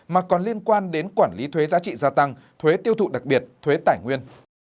mà còn liên quan đến quản lý thuế giá trị gia tăng thuế tiêu thụ đặc biệt thuế tài nguyên